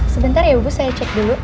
sebentar ya ibu saya cek dulu